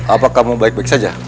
apakah mau baik baik saja